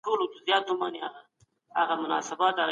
د علم او پوهې منزل.